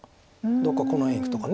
どっかこの辺いくとか。